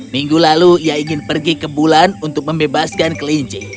minggu lalu ia ingin pergi ke bulan untuk membebaskan kelinci